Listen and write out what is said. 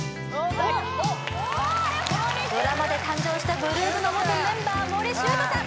おっおやったドラマで誕生した８ＬＯＯＭの元メンバー森愁斗さん